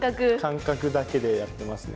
感覚だけでやってますね